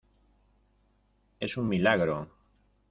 es un milagro.